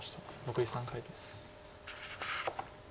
残り３回です。